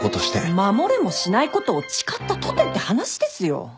守れもしないことを誓ったとてって話ですよ。